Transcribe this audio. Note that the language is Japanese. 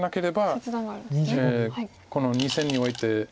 この２線にオイて。